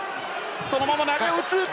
そのまま投げを打つ。